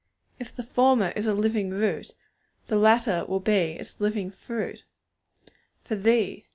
If the former is a living root, the latter will be its living fruit. 'For _Thee!